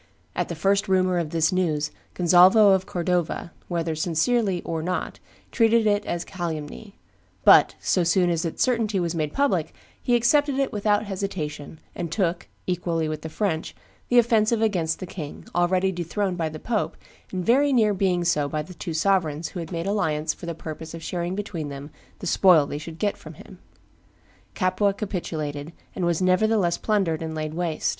At the first rumor of this news, Gonzalvo of Cordova, whether sincerely or not, treated it as a calumny; but, so soon as its certainty was made public, he accepted it without hesitation, and took, equally with the French, the offensive against the king, already dethroned by the pope, and very near being so by the two sovereigns who had made alliance for the purpose of sharing between them the spoil they should get from him. Capua capitulated, and was nevertheless plundered and laid waste.